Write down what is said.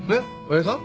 親父さん？